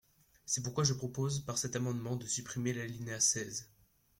C’est pourquoi je propose par cet amendement de supprimer l’alinéa seize.